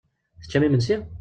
Teččam imensi?